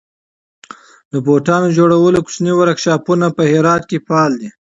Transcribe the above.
د بوټانو جوړولو کوچني ورکشاپونه په هرات کې فعال دي.